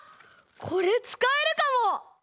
これつかえるかも！